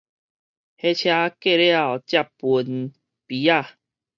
火車過了才歕觱仔